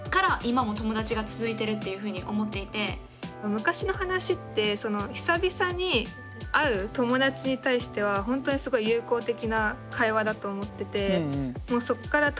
昔の話って久々に会う友達に対してはほんとにすごい有効的な会話だと思ってて。